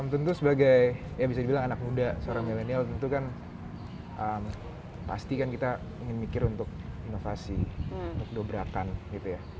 tentu sebagai ya bisa dibilang anak muda seorang milenial tentu kan pasti kan kita ingin mikir untuk inovasi untuk dobrakan gitu ya